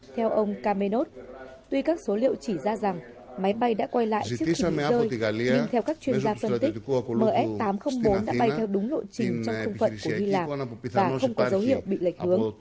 theo ông kamenot tuy các số liệu chỉ ra rằng máy bay đã quay lại trước khi bị rơi nhưng theo các chuyên gia phân tích ms tám trăm linh bốn đã bay theo đúng lộ trình trong trung phận của hy lạp và không có dấu hiệu bị mất tích